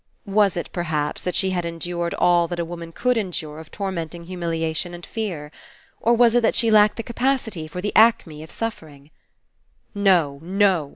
Was it, perhaps, that she had endured all that a woman could endure of tormenting humiliation and fear? Or was it that she lacked the capacity for the acme of suffering? *'No, no!'